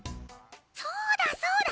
そうだそうだ！